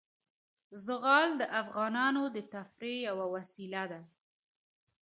زغال د افغانانو د تفریح یوه وسیله ده.